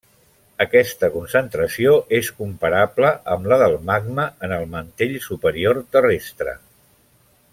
Aquesta concentració és comparable amb la del magma en el mantell superior terrestre.